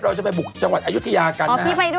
เราจะไปบุกจังหวัดอายุทยากันนะ